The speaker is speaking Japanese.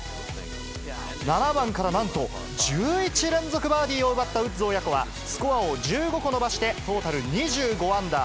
７番からなんと、１１連続バーディーを奪ったウッズ親子は、スコアを１５個伸ばして、トータル２５アンダー。